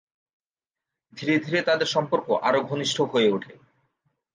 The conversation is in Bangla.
ধীরে ধীরে তাদের সম্পর্ক আরো ঘনিষ্ঠ হয়ে ওঠে।